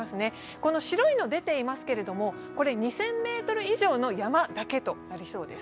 この白いの出ていますけど、これ２０００ｍ以上の山だけとなりそうです。